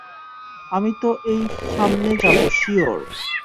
আমি তো এই সামনে যাবো সিউর?